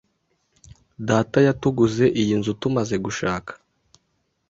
Data yatuguze iyi nzu tumaze gushaka.